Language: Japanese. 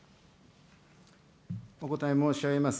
お答え申し上げます。